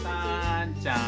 燦ちゃん。